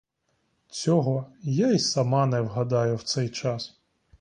Цього я й сама не вгадаю в цей час.